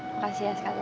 makasih ya sekali lagi